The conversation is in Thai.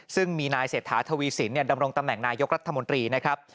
ซึ่งมีนายเศรษฐาทวีสินดำรงตำแหน่งนายกรัฐมนตรีนะครับ